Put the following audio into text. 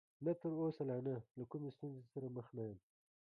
نه، تر اوسه لا نه، له کومې ستونزې سره مخ نه یم.